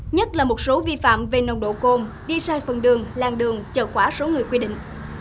nhất là một số vi phạm về nồng độ côn đi sai phần đường làng đường chờ quả số người quy định